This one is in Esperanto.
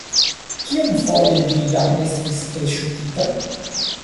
Kiomfoje ĝi jam estis elŝutita?